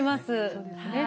そうですね。